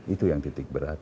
itu yang titik berat